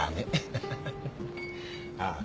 ああ。